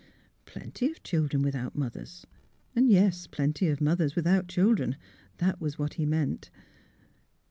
Plenty of children without mothers; and — yes, plenty of mothers without children. That was what he meant.